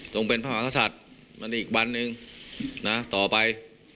ส่งเป็นพระมหาศาสตร์วันนี้อีกบันหนึ่งนะต่อไป